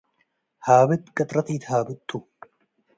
. ሃብጥ ቅጥረት ኢትሃብጡ፣